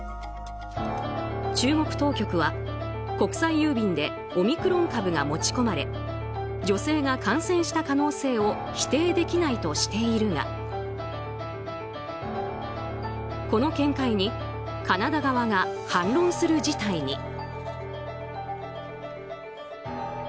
中国当局は、国際郵便でオミクロン株が持ち込まれ女性が感染した可能性を否定できないとしているがこの見解にカナダ側が反論する事態に。